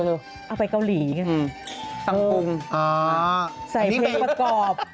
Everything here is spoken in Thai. เอาไปเกาหลีกันนะครับตั้งกรุงใส่เพลงกับกรอบ